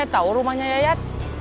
saya tahu rumahnya yayat